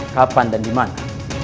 kapan dan dimana